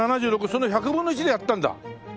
その１００分の１でやったんだ。